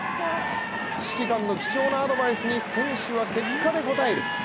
指揮官の貴重なアドバイスに選手は結果で応える。